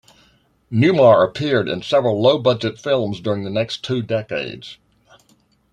Newmar appeared in several low-budget films during the next two decades.